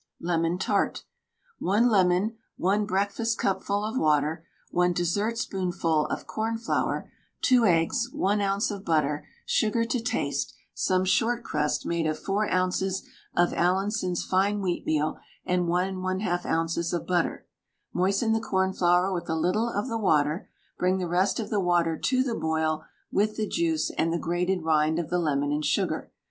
LEMON TART. 1 lemon, 1 breakfastcupful of water, 1 dessertspoonful of cornflour, 2 eggs, 1 oz. of butter, sugar to taste, some short crust made of 4 oz. of Allinson's fine wheatmeal and 1 1/2 oz. of butter. Moisten the cornflour with a little of the water; bring the rest of the water to the boil with the juice and the grated rind of the lemon and sugar.